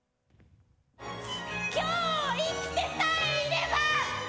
今日を生きてさえいれば。